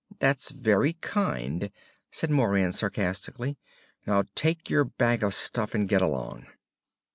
"That's very kind," said Moran sarcastically. "Now take your bag of stuff and get going."